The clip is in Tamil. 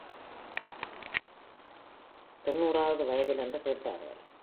தொன்னூறு வது வயதில்? என்று கேட்டார்கள்.